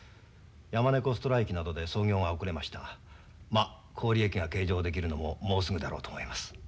山猫ストライキなどで操業が遅れましたがまっ高利益が計上できるのももうすぐだろうと思います。